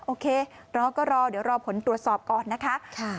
โอเครอก็รอเดี๋ยวรอผลตรวจสอบก่อนนะคะ